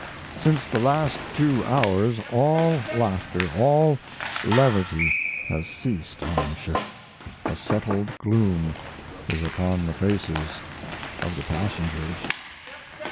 Since the last two hours all laughter, all levity, has ceased on the ship a settled gloom is upon the faces of the passengers.